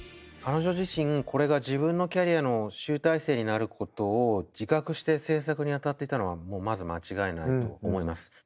彼女自身これが自分のキャリアの集大成になることを自覚して制作に当たってたのはもうまず間違いないと思います。